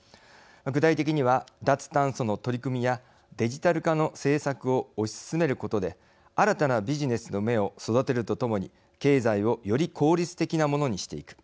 具体的には脱炭素の取り組みやデジタル化の政策を推し進めることで新たなビジネスの芽を育てるとともに経済をより効率的なものにしていく。